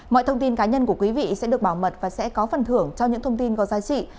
mọi thông tin cá nhân của quý vị sẽ được bảo mật và sẽ có phần thưởng cho những thông tin có giá trị